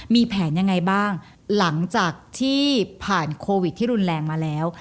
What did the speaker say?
มีแผนยังไงบ้างหลังจากที่ผ่านโควิดที่รุนแรงมาแล้ว